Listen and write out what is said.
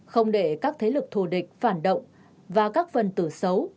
không để các thế lực thù địch phản động và các phần tử xấu